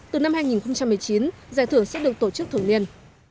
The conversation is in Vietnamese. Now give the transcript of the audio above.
từ năm hai nghìn một mươi chín giải thưởng sẽ được tổ chức thường niên